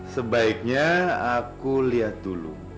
sebaiknya aku lihat dulu